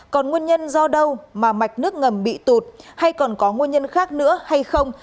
còn nguyên nhân do đâu mà mạch nước ngầm bị tụt hay còn có nguyên nhân khác nữa hay không